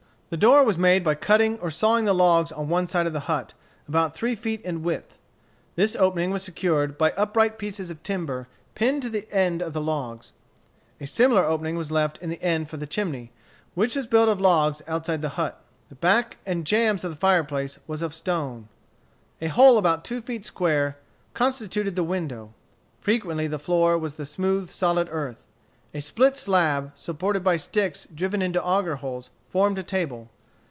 The door was made by cutting or sawing the logs on one side of the hut, about three feet in width. This opening was secured by upright pieces of timber pinned to the end of the logs. A similar opening was left in the end for the chimney, which was built of logs outside of the hut. The back and jambs of the fireplace was of stone. A hole about two feet square constituted the window. Frequently the floor was the smooth, solid earth. A split slab supported by sticks driven into auger holes, formed a table.